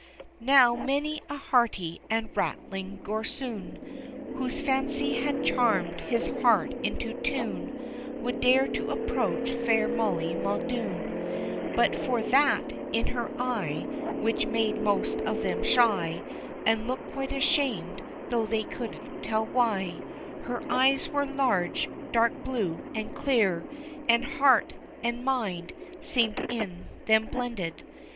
Now many a hearty and rattling gorsoon Whose fancy had charmed his heart into tune, Would dare to approach fair Molly Muldoon, But for that in her eye Which made most of them shy And look quite ashamed, though they couldn't tell why Her eyes were large, dark blue, and clear, And heart and mind seemed in them blended.